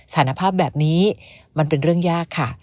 สารภาพแบบนี้มันเป็นเรื่องยากค่ะ